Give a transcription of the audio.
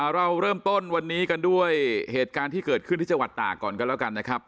เราเริ่มต้นวันนี้กันด้วยเหตุการณ์ที่เกิดขึ้นที่จังหวัดตากก่อนกันแล้วกันนะครับ